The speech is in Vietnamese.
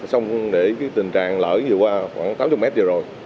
xong để cái tình trạng lở vừa qua khoảng tám mươi mét vừa rồi